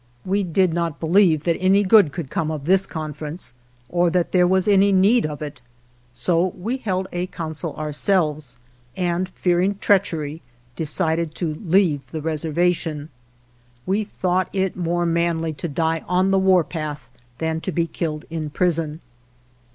We did not believe that any good could come of this conference, or that there was any need of it; so we held a council ourselves, and fearing treachery, decided to leave the reser vation. We thought it more manly to die on the warpath than to be killed in prison.